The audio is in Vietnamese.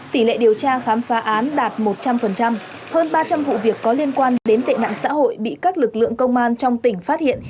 tỷ lệ điều tra khám phá án đạt một trăm linh hơn ba trăm linh vụ việc có liên quan đến tệ nạn xã hội bị các lực lượng công an trong tỉnh phát hiện